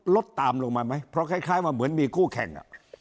ลดตามลงมั้ยเพราะคล้ายมันเหมือนมีกู้แข่ง